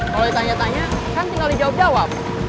kalau ditanya tanya kan tinggal dijawab jawab